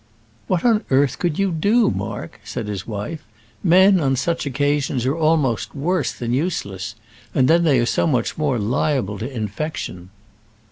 "What on earth could you do, Mark?" said his wife. "Men on such occasions are almost worse than useless; and then they are so much more liable to infection."